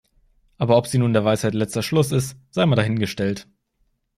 Aber ob sie nun der Weisheit letzter Schluss ist, sei mal dahingestellt.